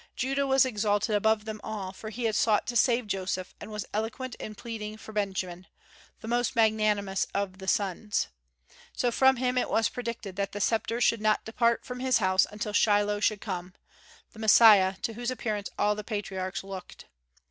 Judah was exalted above them all, for he had sought to save Joseph, and was eloquent in pleading for Benjamin, the most magnanimous of the sons. So from him it was predicted that the sceptre should not depart from his house until Shiloh should come, the Messiah, to whose appearance all the patriarchs looked.